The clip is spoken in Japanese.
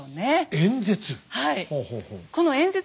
演説。